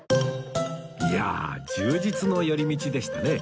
いやあ充実の寄り道でしたね